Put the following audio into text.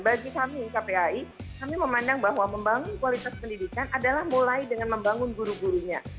bagi kami kpai kami memandang bahwa membangun kualitas pendidikan adalah mulai dengan membangun guru gurunya